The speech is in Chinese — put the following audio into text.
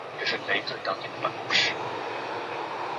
小黑川停车区是位于长野县伊那市的中央自动车道之休息区。